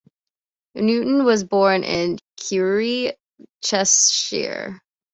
Newton was born at Crewe, Cheshire.